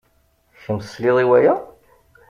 Kemm tesliḍ i waya?